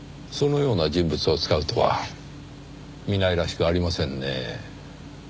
そのような人物を使うとは南井らしくありませんね。